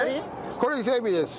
これ伊勢エビです。